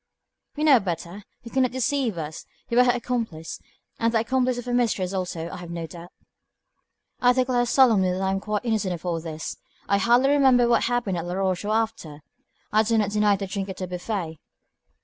"We know better. You cannot deceive us. You were her accomplice, and the accomplice of her mistress, also, I have no doubt." "I declare solemnly that I am quite innocent of all this. I hardly remember what happened at Laroche or after. I do not deny the drink at the buffet.